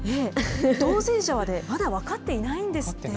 当せん者はまだ分かっていないんですって。